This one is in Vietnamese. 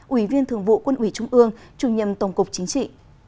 ủy viên thường vụ quân ủy trung ương chủ nhiệm tổng cục chính trị